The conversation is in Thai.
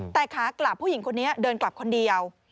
แต่ขากลับผู้หญิงคนนี้เดินกลับคนเดียว